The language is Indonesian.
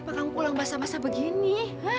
kenapa kamu pulang basah basah begini